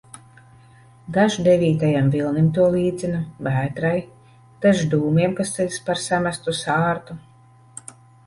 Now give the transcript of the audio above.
Dažs devītajam vilnim to līdzina, vētrai, dažs dūmiem, kas ceļas pār samestu sārtu.